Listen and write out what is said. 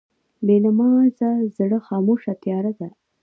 بېنمازه زړه خاموشه تیاره ده.